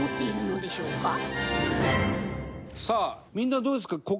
伊達：さあ、みんなどうですか？